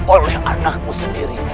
oleh anakmu sendiri